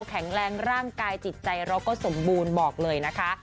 แข็งแรงร่างกายจิตใจเราก็สมบูรณ์บอกเลยนะคะ